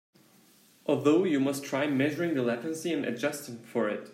Although you might try measuring the latency and adjusting for it.